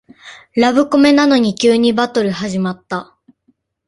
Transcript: ラブコメなのに急にバトル始まった